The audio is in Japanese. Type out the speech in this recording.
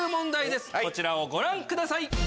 こちらをご覧ください。